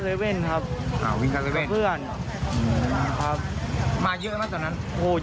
และเคยมีเรื่องอะไรไหม